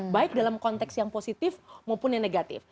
baik dalam konteks yang positif maupun yang negatif